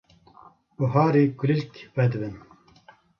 Buharî kulîlk vedibin.